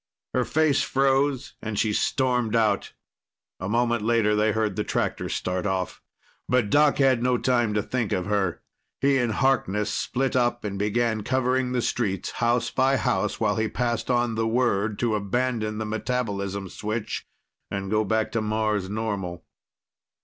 Her face froze and she stormed out. A moment later they heard the tractor start off. But Doc had no time to think of her. He and Harkness split up and began covering the streets, house by house, while he passed on the word to abandon the metabolism switch and go back to Mars normal.